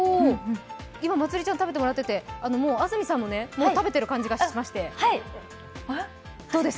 今、まつりちゃん、食べてもらっていて、今、安住さんも食べている感じがしていて。